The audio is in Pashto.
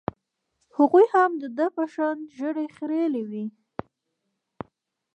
هغوى هم د ده په شان ږيرې خرييلې وې.